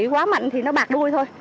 nó quá mạnh thì nó bạc đuôi thôi